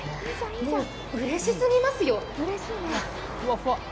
もううれしすぎますよ。